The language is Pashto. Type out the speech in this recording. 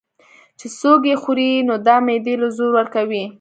چې څوک ئې خوري نو دا معدې له زور ورکوي